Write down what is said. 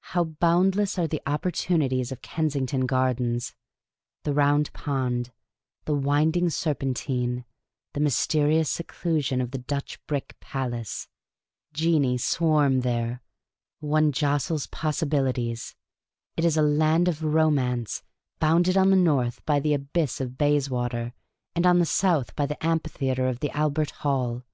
How boundless are the opportunities of Kensington Gar dens — the Round Pond, the winding Serpentine, the mys terious seclusion of the Dutch brick Palace ! Genii swarm there. One jostles possibilities. It is a land of romance, bounded on the north by the Abyss of Bayswater, and on the south by the Amphitheatre of the Albert Hall.